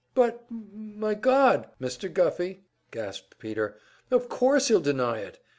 "But, m m my God! Mr. Guffey," gasped Peter. "Of course he'll deny it!"